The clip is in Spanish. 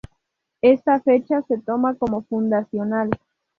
Esta fecha se toma como fundacional.